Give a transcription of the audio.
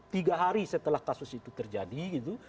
tiga hari setelah kasus itu terjadi gitu